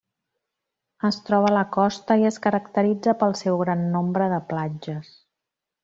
Es troba a la costa i es caracteritza pel seu gran nombre de platges.